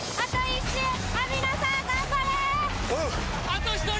あと１人！